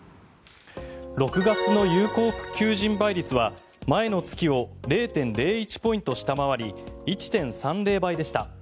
６月の有効求人倍率は前の月を０．０１ポイント下回り１．３０倍でした。